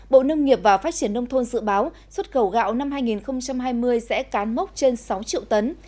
bộ nông nghiệp và phát triển nông thôn dự báo xuất khẩu gạo năm hai nghìn hai mươi sẽ cán mốc trên sáu triệu tấn